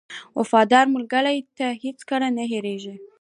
• وفادار ملګری تا هېڅکله نه هېروي.